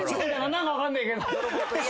何か分かんないけど。